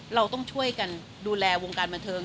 เราต้องช่วยกันดูแลวงการบันเทิง